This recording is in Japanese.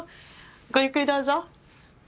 ごゆっくりどうぞ。